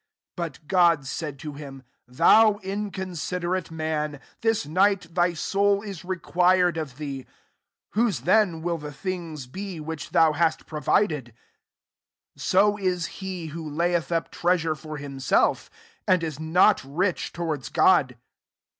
20 But God said to him, < Tlviu inconsiderate man, this night thy soul is required of thee: whose then will the thines be which thou hast provided r 21 So U he, who layeth up treasure for himself, and is not rich to wards God.